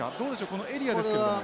このエリアですけれども。